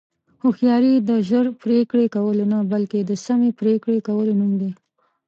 هوښیاري د ژر پرېکړې کولو نه، بلکې د سمې پرېکړې کولو نوم دی.